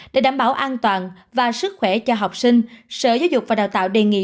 để đảm bảo an toàn và sức khỏe cho học sinh sở giáo dục và đào tạo đề nghị